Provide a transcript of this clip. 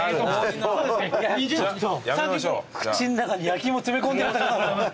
口の中に焼き芋詰め込んでやろうかと。